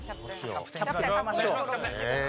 最強キャプテン。